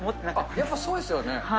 やっぱそうですよね。